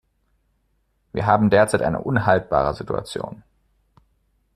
Wir haben derzeit eine unhaltbare Situation.